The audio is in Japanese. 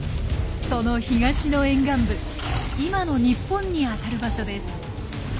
その東の沿岸部今の日本にあたる場所です。